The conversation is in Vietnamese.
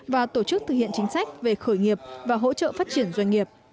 và tổ chức thực hiện chính sách về khởi nghiệp và hỗ trợ phát triển doanh nghiệp